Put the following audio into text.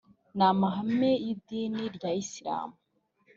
n amahame yi idini rya islam